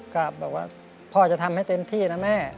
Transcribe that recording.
ก็บอกว่าพ่อจะทำให้เต็มที่นะแม่